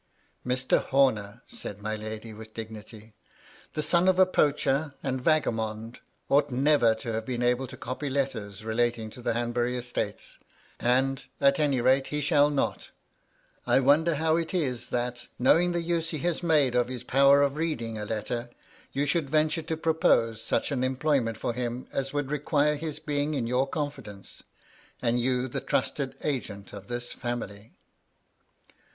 "Mr. Homer," said my lady, with dignily, "the son of a poacher and vagabond ought never to have been able to copy letters relating to the Hanbury estates; and, at any rate, he shall not I wonder how it is that, knowing the use he has made of his power of reading a letter, you should venture to pro pose such an employment for him as would require his being in your confidence, and you the trusted agent of this feunily.